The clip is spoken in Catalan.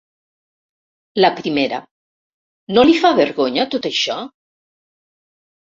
La primera: No li fa vergonya tot això?